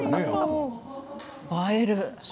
映える。